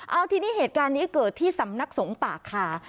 เอาทีนี้เหตุการณ์นี้เกิดที่สำนักสงฆ์ป่าคา